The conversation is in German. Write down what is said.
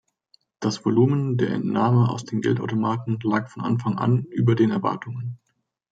Das Volumen der Entnahme aus den Geldautomaten lag von Anfang an über den Erwartungen.